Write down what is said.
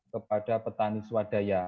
kepada petani swadaya